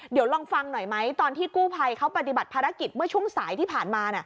เดี๋ยวลองฟังหน่อยไหมตอนที่กู้ภัยเขาปฏิบัติภารกิจเมื่อช่วงสายที่ผ่านมา